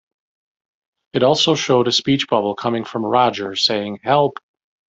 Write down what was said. It also showed a speech bubble coming from Roger saying Help!